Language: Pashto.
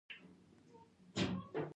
بلکې ورڅخه تېر دي شي.